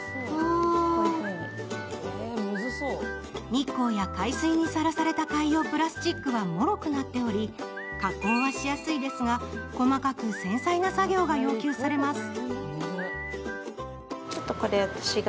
日光や海水にさらされた海洋プラスチックはもろくなっており、加工はしやすいですが、細かく繊細な作業が要求されます。